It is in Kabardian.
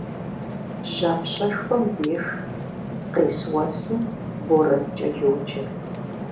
Жьапщэшхуэм деж къес уэсым борэнкӏэ йоджэ.